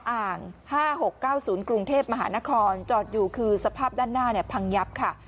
อ่าง๕๖๙๐กรุงเทพมหานครจอดอยู่คือสภาพด้านหน้าเนี่ยพังยับค่ะ